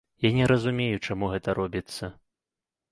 Я не разумею, чаму гэта робіцца.